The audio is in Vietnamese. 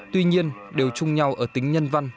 tuy nhiên đều chung nhau ở tính nhân văn